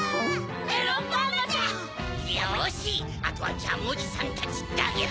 よしあとはジャムおじさんたちだけだ！